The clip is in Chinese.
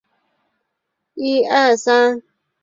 它是中古英语的一个分支。